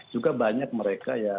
juga banyak mereka ya